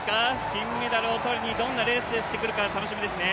金メダルを取りにどんなレースをしてくるか楽しみですね。